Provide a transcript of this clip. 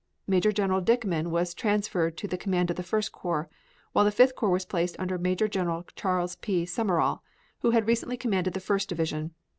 Major General Dickman was transferred to the command of the First Corps, while the Fifth Corps was placed under Major General Charles P. Summerall, who had recently commanded the First Division.